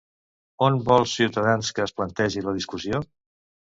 On vol Ciutadans que es plantegi la discussió?